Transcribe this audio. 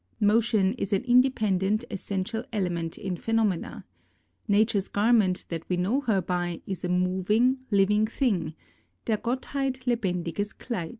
Motion is an independent essential element in phenomena. Nature's garment that we know her by is a moving, living thing — der Gottheit lebendiges Kleid.